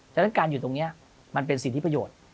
ฉะนั้นการอยู่ตรงนี้มันเป็นสิทธิประโยชน์